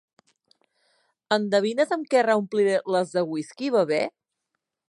¿Endevines amb què reompliré les de whisky, Bebè?